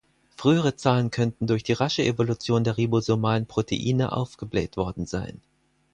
Frühere Zahlen könnten durch die rasche Evolution der ribosomalen Proteine aufgebläht worden sein.